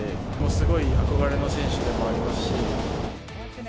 すごい憧れの選手でもありますし。